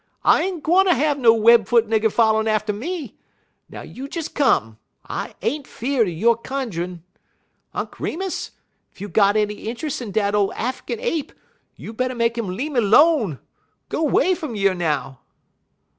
I ain't gwine ter have no web foot nigger follerin' atter me. Now you des come! I ain't feard er yo' cunjun. Unk' Remus, ef you got any intruss in dat ole Affikin ape, you better make 'im lemme 'lone. G'way fum yer now!"